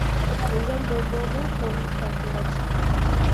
Мыйзам долбоору коомдук талкууга чыкты.